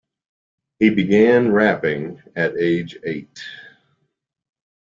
He began rapping at age eight.